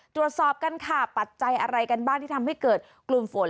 ตรวจสอบกันค่ะปัจจัยอะไรกันบ้างที่ทำให้เกิดกลุ่มฝน